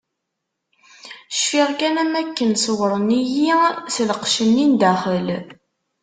Cfiɣ kan am wakken ṣewren-iyi s lqecc-nni n daxel.